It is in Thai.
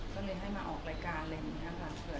ก็เลยให้มาออกรายการอะไรอย่างนี้ค่ะ